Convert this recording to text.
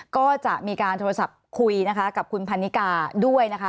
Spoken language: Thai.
ก็จะมีการโทรศัพท์คุยนะคะกับคุณพันนิกาด้วยนะคะ